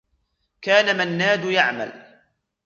كان منّاد يعمل.